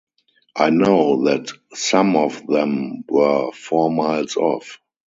I know that some of them were four miles off.